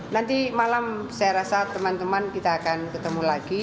nanti malam saya rasa teman teman kita akan ketemu lagi